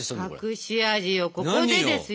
隠し味をここでですよ。